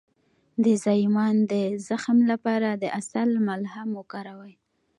د زایمان د زخم لپاره د عسل ملهم وکاروئ